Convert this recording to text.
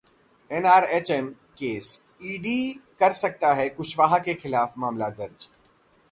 NRHM case: ED कर सकता है कुशवाहा के खिलाफ मामला दर्ज